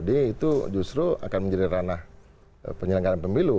itu justru akan menjadi ranah penyelenggaran pemilu